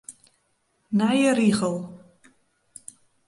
Nije rigel.